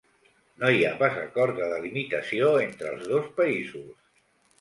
No hi ha pas acord de delimitació entre els dos països.